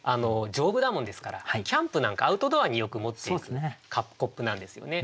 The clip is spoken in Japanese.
丈夫だもんですからキャンプなんかアウトドアによく持っていくコップなんですよね。